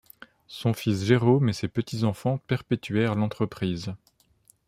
Son fils Jérôme et ses petits-enfants perpétuèrent l’entreprise.